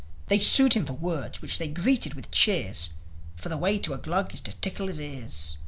They sued him for words, which they greeted with cheers, For the way with a Glug is to tickle his ears.